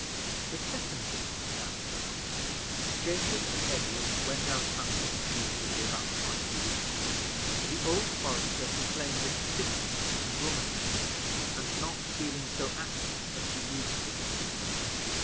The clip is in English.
The second winter now came on. Jacob and Edward went out hunting usually about twice a week; for the old forester complained of stiffness and rheumatism, and not feeling so active as he used to be.